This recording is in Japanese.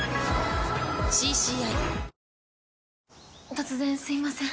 突然すいません。